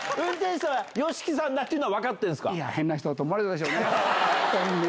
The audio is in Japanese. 運転手さんはＹＯＳＨＩＫＩさんだっていうのは、分かってたいやー、変な人と思われたでしょうね。